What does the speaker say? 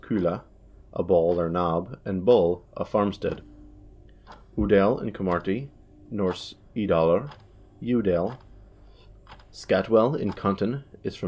KMa, a ball or knob, and bol, 'a farm stead'; Udale in Cromarty, N. Y dalr, 'yew dale.' Scatwell in Contin is from N.